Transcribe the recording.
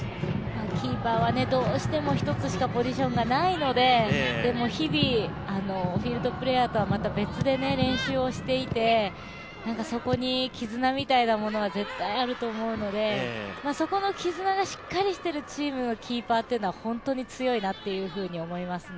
キーパーはどうしても１つしかポジションがないので日々、フィールドプレーヤーとはまた別に練習をしていてそこに絆みたいなものは絶対あると思うのでそこの絆がしっかりしているチームは本当に強いなと思いますね。